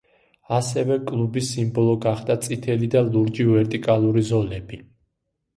ასევე კლუბის სიმბოლო გახდა წითელი და ლურჯი ვერტიკალური ზოლები.